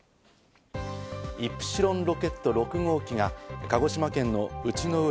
イプシロンロケット６号機が鹿児島県の内之浦